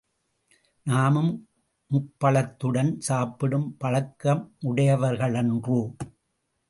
நாமும் முப்பழத்துடன் சாப்பிடும் பழக்கமுடையவர்களன்றோ?